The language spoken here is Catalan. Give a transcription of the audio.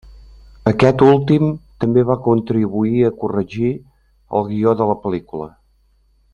Aquest últim també va contribuir a corregir el guió de la pel·lícula.